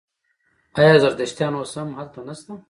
آیا زردشتیان اوس هم هلته نشته؟